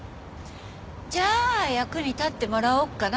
じゃあ役に立ってもらおうかな。